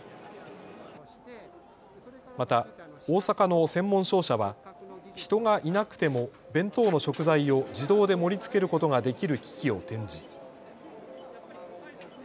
また大阪の専門商社は人がいなくても弁当の食材を自動で盛りつけることができる機器を展示。